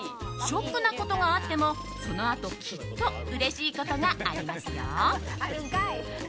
ショックなことがあってもそのあと、きっとうれしいことがありますよ。